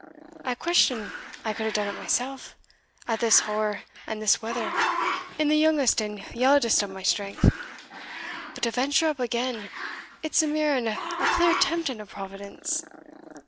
I question an I could hae done it mysell, at this hoar and in this weather, in the youngest and yaldest of my strength But to venture up again it's a mere and a clear tempting o' Providence."